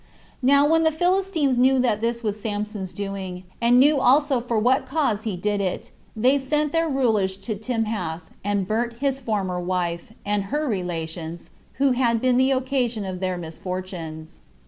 Now when the Philistines knew that this was Samson's doing, and knew also for what cause he did it, they sent their rulers to Timhath, and burnt his former wife, and her relations, who had been the occasion of their misfortunes.